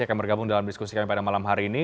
akan bergabung dalam diskusi kami pada malam hari ini